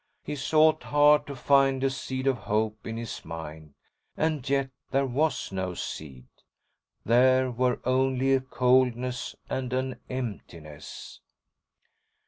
He sought hard to find a seed of hope in his mind, and yet there was no seed. There were only a coldness and an emptiness.